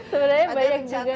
sebenarnya banyak juga